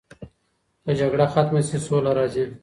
که جګړه ختمه سي سوله راځي.